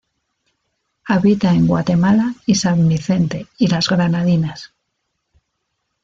Habita en Guatemala y San Vicente y las Granadinas.